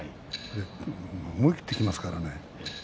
思い切って、きますからね。